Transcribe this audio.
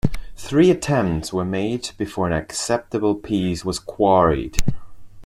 Three attempts were made before an acceptable piece was quarried.